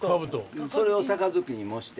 それを盃に模して。